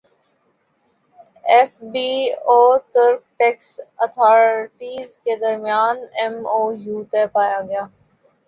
F B اور ترک tax authorities کے درمیان ایم او یو طے پاگیا